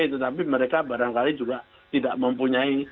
tetapi mereka barangkali juga tidak mempunyai